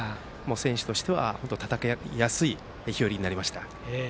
選手としては戦いやすい日和になりました。